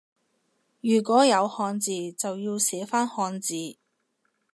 如果有漢字就要寫返漢字